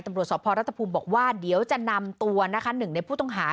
ตำรวจสอบพรัฐภูมิบอกว่าเดี๋ยวจะนำตัว๑ในผู้ต้องหา